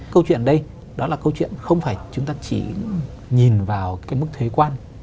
câu chuyện ở đây đó là câu chuyện không phải chúng ta chỉ nhìn vào cái mức thuế quan